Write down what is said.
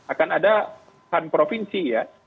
akan ada provinsi ya